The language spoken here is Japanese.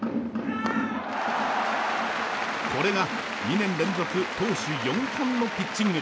これが２年連続投手４冠のピッチング！